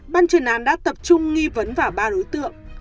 ban chuyên án đã tập trung nghi vấn vào ba đối tượng